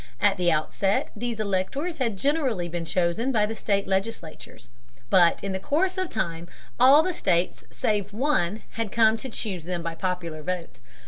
At the outset these electors had generally been chosen by the state legislatures. But, in the course of time, all the states save one had come to choose them by popular vote.